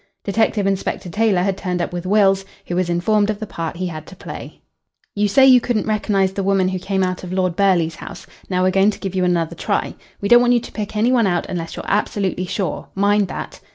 Detective Inspector Taylor had turned up with Wills, who was informed of the part he had to play. "You say you couldn't recognise the woman who came out of Lord Burghley's house. Now we're going to give you another try. We don't want you to pick any one out unless you're absolutely sure. Mind that."